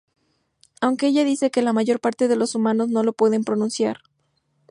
Aunque ella dice que la mayor parte de los humanos no lo puede pronunciar.